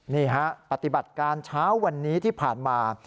นี่ฮะปฏิบัติการเช้าวันนี้ที่ผ่านมา